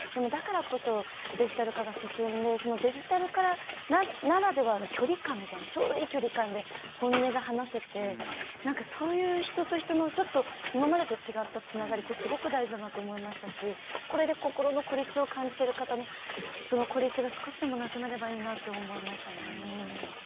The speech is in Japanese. だからこそ、デジタル化が進んでデジタル化ならではの距離感みたいなちょうどいい距離感で本音が話せて、そういう人と人の今までと違ったつながりってすごく大事だなと思いましたし、これで心の孤立を感じてる方の、その孤立が少しでもなくなればいいなって思いましたね。